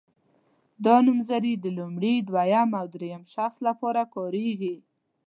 دا نومځري د لومړي دویم او دریم شخص لپاره کاریږي.